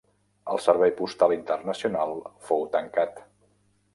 El servei postal internacional fou tancat.